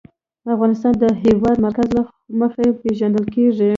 افغانستان د د هېواد مرکز له مخې پېژندل کېږي.